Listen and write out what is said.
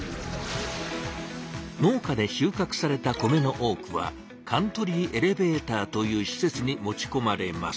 農家で収穫された米の多くはカントリーエレベーターというしせつに持ちこまれます。